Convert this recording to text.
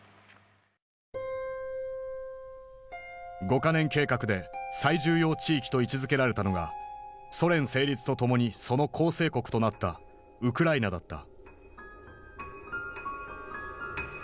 五か年計画で最重要地域と位置づけられたのがソ連成立とともにその構成国となったウクライナだった。